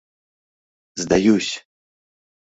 — Сдаюсь!